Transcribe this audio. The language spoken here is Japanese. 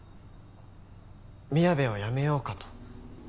みやべを辞めようかと。